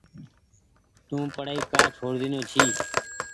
تو پڙآئي ڪآ ڇوڙ ۮينو ڇي۔